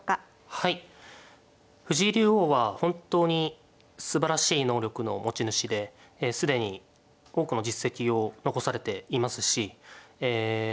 はい藤井竜王は本当にすばらしい能力の持ち主で既に多くの実績を残されていますしえ